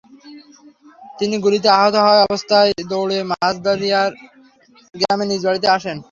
তিনি গুলিতে আহত অবস্থায় দৌড় দিয়ে মাঝাড়দিয়ার গ্রামে নিজ বাড়িতে আসেন।